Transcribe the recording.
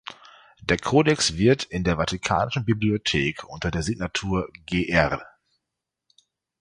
Der Codex wird in der Vatikanischen Bibliothek unter der Signatur Gr.